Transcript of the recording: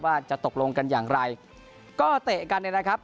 ว่าจะตกลงกันอย่างไรก็เตะกันเนี่ยนะครับ